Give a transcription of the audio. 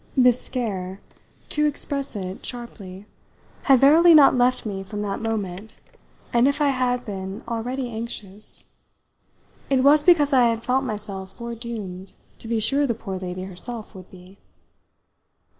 This scare, to express it sharply, had verily not left me from that moment; and if I had been already then anxious it was because I had felt myself foredoomed to be sure the poor lady herself would be.